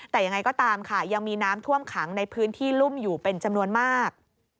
แต่ยังไงก็ตามค่ะยังมีน้ำท่วมขังในพื้นที่รุ่มอยู่เป็นจำนวนมาก